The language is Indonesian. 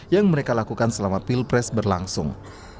yang mereka lakukan selama pilpres berlangsung